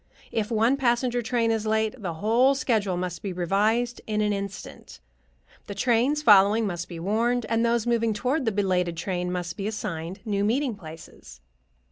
If one passenger train is late, the whole schedule must be revised in an instant; the trains following must be warned, and those moving toward the belated train must be assigned new meeting places.